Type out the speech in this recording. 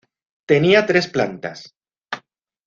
Tenía tres plantas.